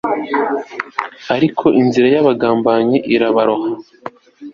ariko inzira y'abagambanyi irabaroha